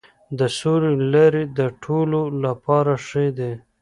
د سولې لارې د ټولو لپاره ښې دي.